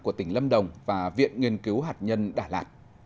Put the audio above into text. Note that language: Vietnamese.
của tỉnh lâm đồng và viện nghiên cứu hạt nhân đà lạt